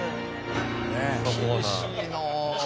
厳しいな。